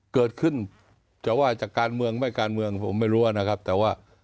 เกิดขึ้นจริงว่าจากการเมืองแม่การเมืองไม่รู้อ่ะนะครับแต่